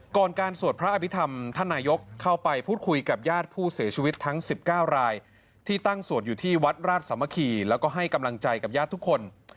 การสวดพระอภิษฐรรมท่านนายกเข้าไปพูดคุยกับญาติผู้เสียชีวิตทั้ง๑๙รายที่ตั้งสวดอยู่ที่วัดราชสามัคคีแล้วก็ให้กำลังใจกับญาติทุกคน